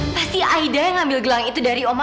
pasti aida yang ngambil gelang itu dari oma